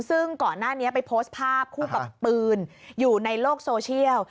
ซึ่งก่อนหน้านี้ไปโพสต์ภาพคู่กับปืนอยู่ในโลกโซเชียล